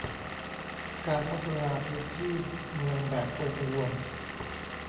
การพัฒนาพื้นที่เมืองแบบองค์รวม